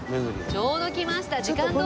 ちょうど来ました時間どおり。